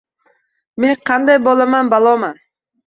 Men qanday bolaman, baloman.